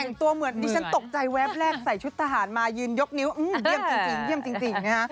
แก่งตัวเหมือนดิฉันตกใจแวบแรกใส่ชุดทหารมายืนยกนิ้วเยี่ยมจริง